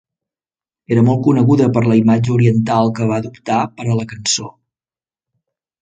Era molt coneguda per la imatge oriental que va adoptar per a la cançó.